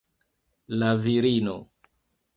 La virino.